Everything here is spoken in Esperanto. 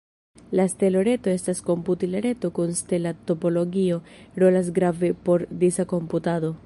La stela reto estas komputila reto kun stela topologio, rolas grave por disa komputado.